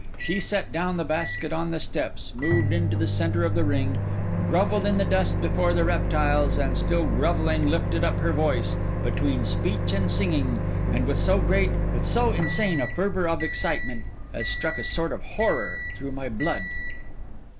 She set down the basket on the steps, moved into the centre of the ring, grovelled in the dust before the reptiles, and still grovelling lifted up her voice, between speech and singing, and with so great, with so insane a fervour of excitement, as struck a sort of horror through my blood.